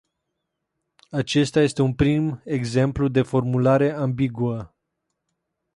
Acesta este un prim exemplu de formulare ambiguă.